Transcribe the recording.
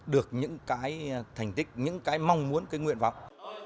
được những cái thành tích những cái mong muốn cái nguyện vọng